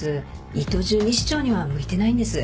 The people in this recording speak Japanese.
胃と十二指腸には向いてないんです。